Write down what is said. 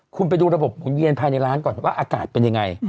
คุณไปดูระบบหมุนเวียนภายในร้านก่อนว่าอากาศเป็นยังไง